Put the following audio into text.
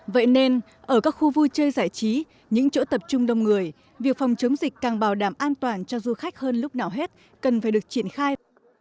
vậy nên ở các khu vui chơi giải trí những chỗ tập trung đông người việc phòng chống dịch càng bảo đảm an toàn cho du khách hơn lúc nào hết cần phải được triển khai